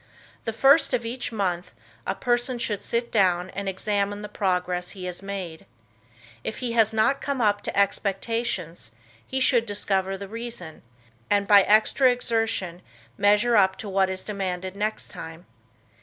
The first of each month, a person should sit down and examine the progress he has made. If he has not come up to "expectations" he should discover the reason, and by extra exertion measure up to what is demanded next time.